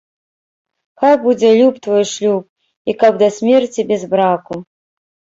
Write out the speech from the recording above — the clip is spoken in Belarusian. Хай будзе люб твой шлюб і каб да смерці без браку